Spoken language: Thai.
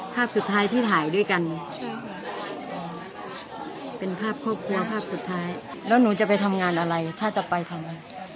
ใช่ทำนี่ทำนี่ในแถวอูดอลต่างจากนี้แต่ไม่รู้ว่ามียังไงประมาณบ้าง